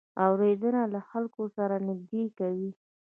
اورېدنه له خلکو سره نږدې کوي.